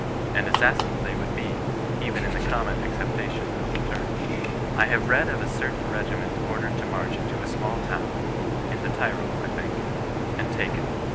And assassins they would be, even in the common acceptation of the term. I have read of a certain regi ment ordered to march into a small town (in the Tyrol, I think), and take it.